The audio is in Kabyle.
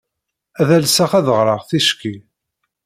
Ad alseɣ ad d-ɣreɣ ticki.